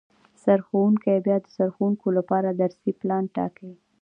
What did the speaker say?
سرښوونکی بیا د ښوونکو لپاره درسي پلان ټاکي